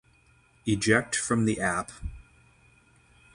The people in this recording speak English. Eject from the app